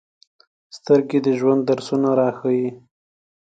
سترګې د ژوند درسونه راښيي